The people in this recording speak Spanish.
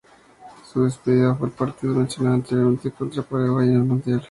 Su despedida fue el partido mencionado anteriormente contra Paraguay en el Mundial.